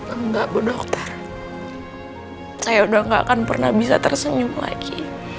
enggak bu dokter saya udah gak akan pernah bisa tersenyum lagi